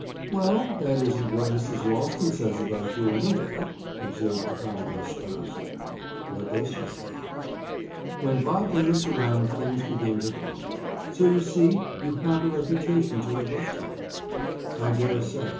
"Well, that isn't what Mrs. Ralston says about you, anyway," observed the commodore's spouse. "What does she say?" "'When Bob Bennett's around, things begin to hum.' So you see you have a reputation to live up to." "I dare say.